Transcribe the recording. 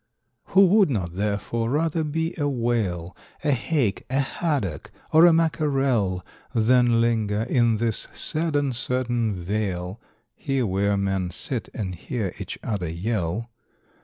= Who would not therefore rather be a Whale, A Hake, a Haddock, or a Mackerel, Than linger in this sad uncertain vale (Here where men sit and hear each other yell)?